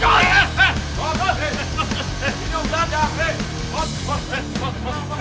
wah kanan mas